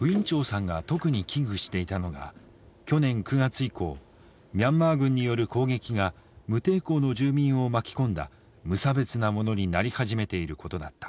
ウィン・チョウさんが特に危惧していたのは去年９月以降ミャンマー軍による攻撃が無抵抗の住民を巻き込んだ無差別なものになり始めていることだった。